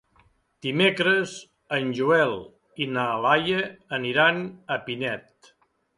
Dimecres en Joel i na Laia aniran a Pinet.